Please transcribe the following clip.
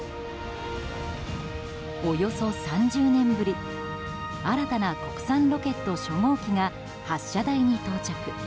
およそ３０年ぶり新たな国産ロケット初号機が発射台に到着。